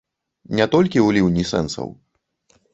Не толькі ў ліўні сэнсаў.